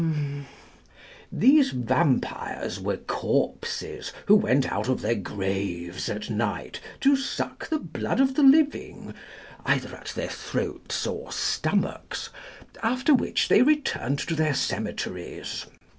These vampires were corpses, who went out of their graves at night to suck the blood of the living, either at their throats or stomachs, after which they returned to their cemeteries.